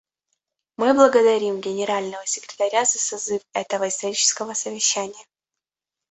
Мы благодарим Генерального секретаря за созыв этого исторического совещания.